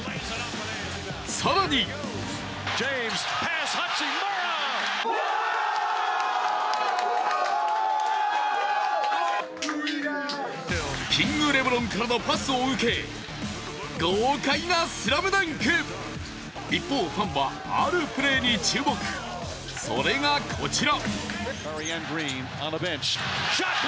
更にキング、レブロンからのパスを受け、豪快なスラムダンク、一方、ファンはあるプレーに注目それがこちら。